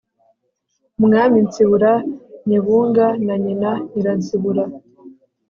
umwami nsibura nyebunga na nyina nyiransibura